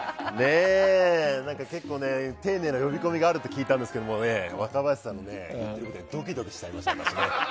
結構、丁寧な呼び込みがあるって聞いたんですけど若林さんの呼び込みでドキドキしちゃいました。